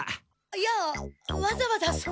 いやわざわざそんな。